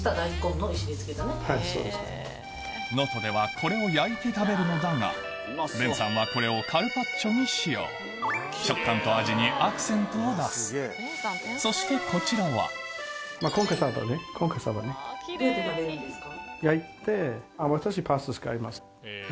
能登ではこれを焼いて食べるのだがベンさんはこれをカルパッチョに使用食感と味にアクセントを出すそしてこちらはどうやって食べるんですか？